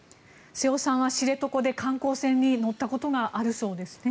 瀬尾さんは知床で観光船に乗ったことがあるそうですね。